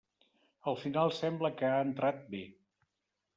Al final sembla que ha entrat bé.